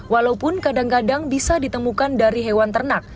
walaupun kadang kadang bisa ditemukan dari hewan ternak